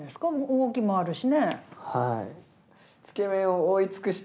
動きもあるしね。